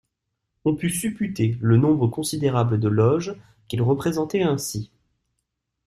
On put supputer le nombre considérable de Loges qu'il représentait ainsi.